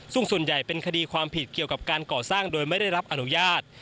ซึ่งส่วนใหญ่เป็นคดีความผิดเกี่ยวกับการก่อสร้างโดยไม่ได้รับอนุญาต